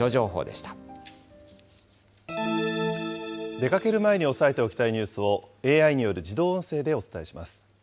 出かける前に押さえておきたいニュースをＡＩによる自動音声